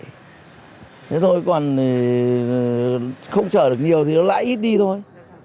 thế thôi còn không chở được nhiều thì nó lại ít đi thôi